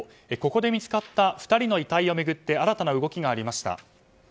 ここで見つかった２人の遺体を巡って新たな動きがありました。